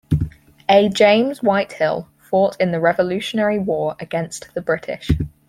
A James Whitehill fought in the Revolutionary war against the British.